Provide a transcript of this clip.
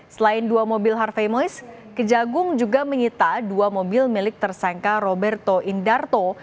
selain dua mobil harvey mois kejaksaan agung juga menyita dua mobil milik tersangka roberto indarto